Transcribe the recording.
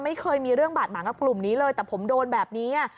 ไม่เคยมีเรื่องบาดหมางกับกลุ่มนี้เลยแต่ผมโดนแบบนี้อ่ะ